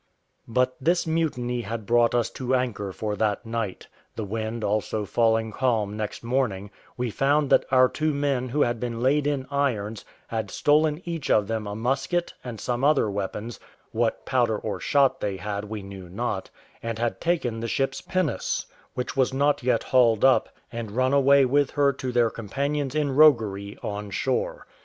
But this mutiny had brought us to an anchor for that night; the wind also falling calm next morning, we found that our two men who had been laid in irons had stolen each of them a musket and some other weapons (what powder or shot they had we knew not), and had taken the ship's pinnace, which was not yet hauled up, and run away with her to their companions in roguery on shore.